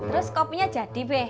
terus kopinya jadi be